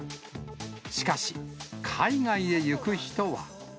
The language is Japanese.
しかし、海外へ行く人は。